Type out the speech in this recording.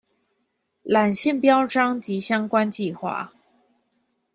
纜線標章及相關計畫